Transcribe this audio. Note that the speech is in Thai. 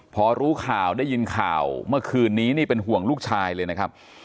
พอรู้ข่าวได้ยินข่าวเมื่อคืนนี้นี่เป็นห่วงลูกชายเลยนะครับ